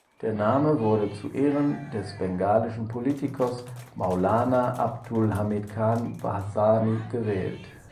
Der Name wurde zu Ehren des bengalischen Politikers Maulana Abdul Hamid Khan Bhasani gewählt.